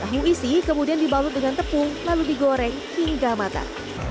tahu isi kemudian dibalut dengan tepung lalu digoreng hingga matang